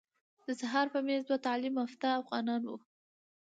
د سهار په میز دوه تعلیم یافته افغانان وو.